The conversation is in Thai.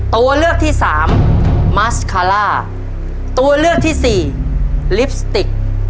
ตัวเลือกที่สามตัวเลือกที่สี่